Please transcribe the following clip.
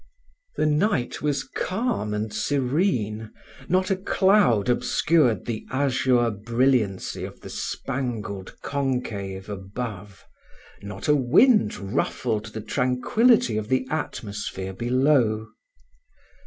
The night was calm and serene not a cloud obscured the azure brilliancy of the spangled concave above not a wind ruffled the tranquillity of the atmosphere below.